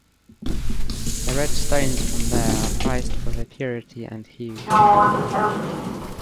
The red stones from there are prized for their purity and hue.